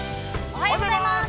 ◆おはようございます。